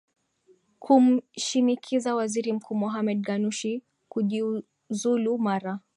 kumshinikiza waziri mkuu mohamed ganushi kujiuzulu mara